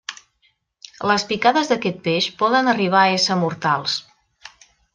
Les picades d'aquest peix poden arribar a ésser mortals.